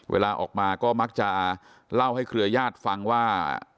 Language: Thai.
เวลาออกมาก็มักจะเล่าให้เครือญาติฟังว่า